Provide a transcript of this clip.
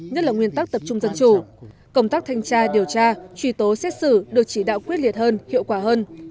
nhất là nguyên tắc tập trung dân chủ công tác thanh tra điều tra truy tố xét xử được chỉ đạo quyết liệt hơn hiệu quả hơn